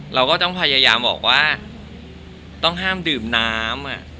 เราก็ต้องพยายามบอกว่าต้องห้ามดื่มน้ำ